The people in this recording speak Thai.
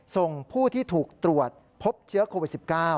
ส่งผู้ที่ถูกตรวจพบเชื้อโควิด๑๙